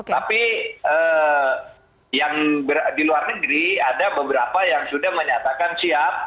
tapi yang di luar negeri ada beberapa yang sudah menyatakan siap